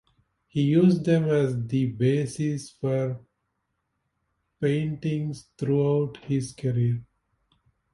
He used them as the basis for paintings throughout his career.